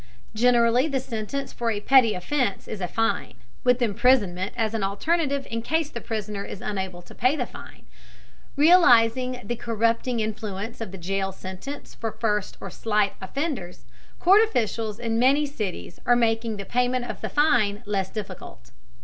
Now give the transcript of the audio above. Generally the sentence for a petty offense is a fine, with imprisonment as an alternative in case the prisoner is unable to pay the fine. Realizing the corrupting influence of the jail sentence for first or slight offenders, court officials in many cities are making the payment of the fine less difficult.